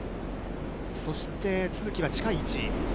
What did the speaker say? そして都筑は近い位置。